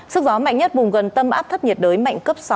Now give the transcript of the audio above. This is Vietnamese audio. sức gió mạnh nhất vùng gần tâm áp thấp nhiệt đới mạnh cấp sáu